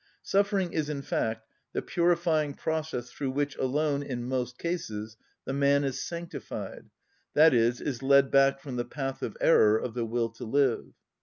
Suffering is, in fact, the purifying process through which alone, in most cases, the man is sanctified, i.e., is led back from the path of error of the will to live.